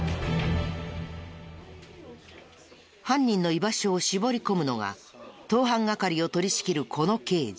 犯人の居場所を絞り込むのは盗犯係を取り仕切るこの刑事。